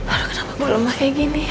aduh kenapa gue lemah kayak gini